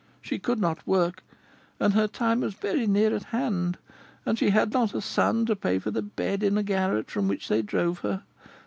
She could not work, and her time was very near at hand, and she had not a son to pay for the bed in a garret, from which they drove her.